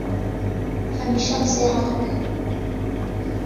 هەمیشە قسەی حەق بکە